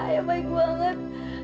ayah baik banget